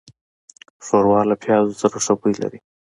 ښوروا له پيازو سره ښه بوی لري.